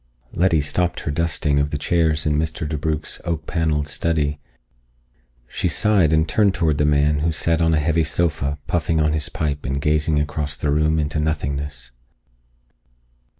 Letty stopped her dusting of the chairs in Mr. DeBrugh's oak paneled study. She sighed and turned toward the man, who sat on a heavy sofa, puffing on his pipe and gazing across the room into nothingness.